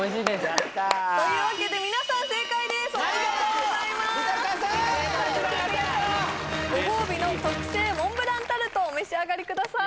ご褒美の特製モンブランタルトをお召し上がりください